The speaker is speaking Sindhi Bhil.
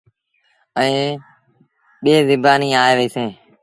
ائيٚݩ ٻيٚن زبآنيٚن آئي وهيٚسيٚݩ۔